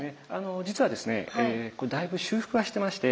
実はですねだいぶ修復はしてまして。